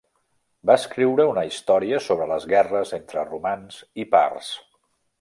Va escriure una història sobre les guerres entre romans i parts.